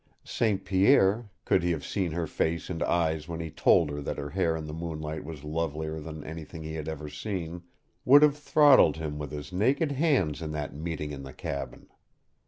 St. Pierre, could he have seen her face and eyes when he told her that her hair in the moonlight was lovelier than anything he had ever seen, would have throttled him with his naked hands in that meeting in the cabin.